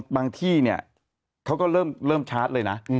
บางที่เนี่ยเขาก็เริ่มชาร์จเลยนะ